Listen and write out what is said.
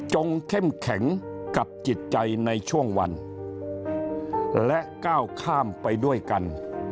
เข้มแข็งกับจิตใจในช่วงวันและก้าวข้ามไปด้วยกัน